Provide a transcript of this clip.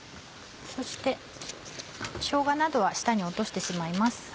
そしてしょうがなどは下に落としてしまいます。